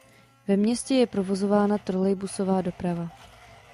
Ve městě je provozována trolejbusová doprava.